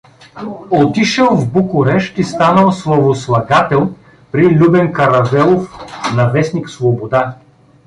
Отишел в Букурещ и станал славослагател при Л. Каравелов, на в. Свобода.